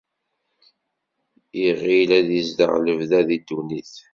Iɣil ad izdeɣ lebda di ddunit.